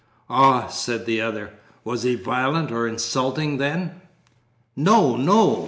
"Ah!" said the other. "Was he violent or insulting, then?" "No, no!